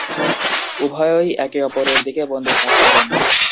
উভয়ই একে অপরের দিকে বন্দুক তাক করেন।